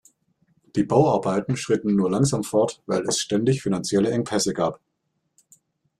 Die Bauarbeiten schritten nur langsam fort, weil es ständig finanzielle Engpässe gab.